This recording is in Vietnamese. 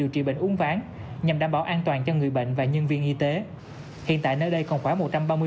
uống ván nhằm đảm bảo an toàn cho người bệnh và nhân viên y tế hiện tại nơi đây còn khoảng một trăm ba mươi